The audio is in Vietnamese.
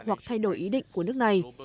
hoặc thay đổi ý định của nước này